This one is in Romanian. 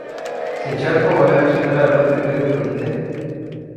Se încearcă oare acceptarea lor pe căi ocolite?